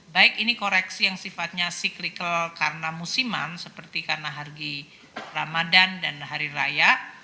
baik ini koreksi yang sifatnya cyclical karena musiman seperti karena hari ramadan dan hari raya